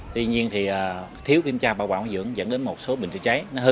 tuy nhiên thì thiếu kiểm tra bảo quản dưỡng dẫn đến một số bình chữa cháy nó hư